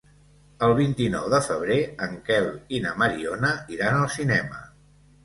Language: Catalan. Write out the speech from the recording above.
El vint-i-nou de febrer en Quel i na Mariona iran al cinema.